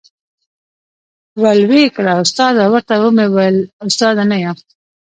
ول وې کړه ، استاده ، ورته ومي ویل استاد نه یم ،